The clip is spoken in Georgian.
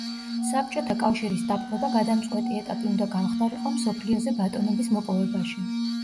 საბჭოთა კავშირის დაპყრობა გადამწყვეტი ეტაპი უნდა გამხდარიყო მსოფლიოზე ბატონობის მოპოვებაში.